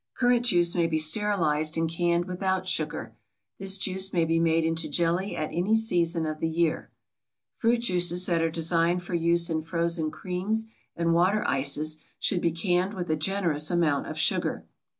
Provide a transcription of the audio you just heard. Currant juice may be sterilized and canned without sugar. This juice may be made into jelly at any season of the year. Fruit juices that are designed for use in frozen creams and water ices should be canned with a generous amount of sugar.